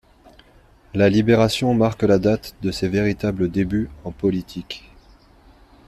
La Libération marque la date de ses véritables débuts en politique.